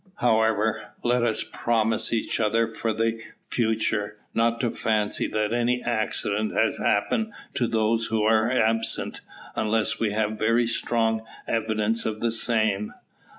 "However, let us promise each other for the future, not to fancy that any accident has happened to those who are absent, unless we have very strong evidence of the same."